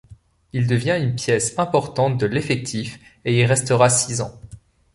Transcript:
Il devient une pièce importante de l'effectif et y restera six ans.